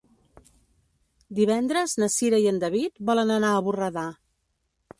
Divendres na Cira i en David volen anar a Borredà.